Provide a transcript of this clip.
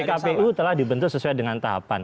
pkpu telah dibentuk sesuai dengan tahapan